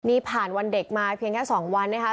นี่ผ่านวันเด็กมาเพียงแค่๒วันนะคะ